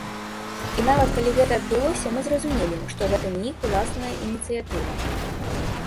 І нават, калі гэта адбылося мы зразумелі, што гэта не іх уласная ініцыятыва.